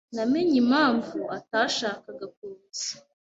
Namenye impamvu atashakaga kuza.